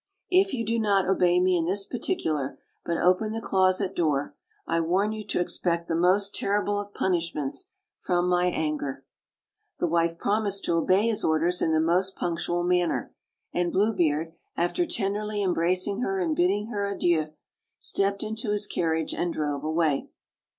If you do not obey me in this particular, but open the closet door, I warn you to expect the most terrible of punishments from my anger." The wife promised to obey his orders in the most punctual manner, and Blue Beard, after tenderly em bracing her and bidding her adieu, stepped into his car* riage and drove away.